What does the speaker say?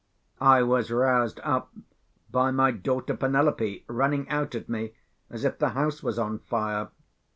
I was roused up by my daughter Penelope running out at me as if the house was on fire.